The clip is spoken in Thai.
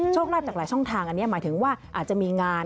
ลาบจากหลายช่องทางอันนี้หมายถึงว่าอาจจะมีงาน